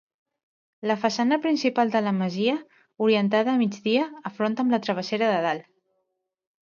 La façana principal de la masia, orientada a migdia, afronta amb la Travessera de Dalt.